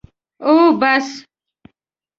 او بس.